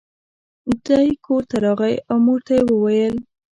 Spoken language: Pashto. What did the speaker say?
دی کور ته راغی او مور ته یې وویل.